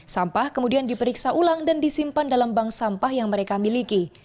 sampah kemudian diperiksa ulang dan disimpan dalam bank sampah yang mereka miliki